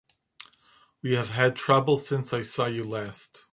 We have had trouble since I saw you last.